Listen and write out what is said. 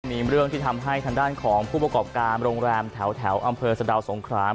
มีเรื่องที่ทำให้ทางด้านของผู้ประกอบการโรงแรมแถวอำเภอสะดาวสงคราม